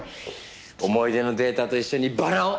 思い出のデータと一緒にバラを！